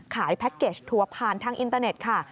แพ็คเกจทัวร์ผ่านทางอินเตอร์เน็ตค่ะ